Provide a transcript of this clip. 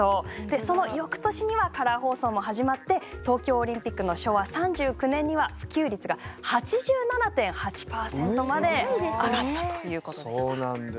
そのよくとしにはカラー放送も始まって東京オリンピックの昭和３９年には普及率が８７．８％まで上がったということでした。